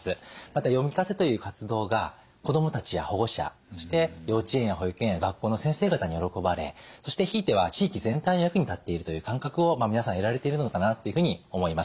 また読み聞かせという活動が子どもたちや保護者そして幼稚園や保育園や学校の先生方に喜ばれそしてひいては地域全体の役に立っているという感覚を皆さん得られているのかなっていうふうに思います。